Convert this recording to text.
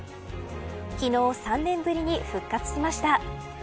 昨日、３年ぶりに復活しました。